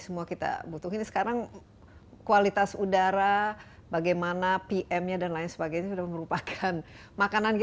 semua kita butuh ini sekarang kualitas udara bagaimana pm nya dan lain sebagainya sudah merupakan makanan